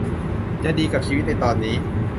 จะดีกับชีวิตในตอนนี้